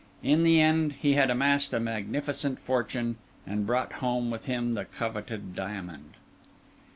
In the end, he had amassed a magnificent fortune, and brought home with him the coveted diamond.